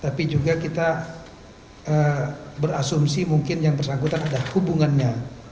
tapi juga kita berasumsi mungkin yang bersangkutan ada hubungannya